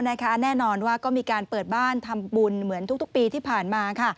แน่นอนว่าก็มีการเปิดบ้านทำบุญเหมือนทุกปีที่ผ่านมาค่ะ